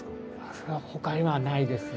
それはほかにはないですね。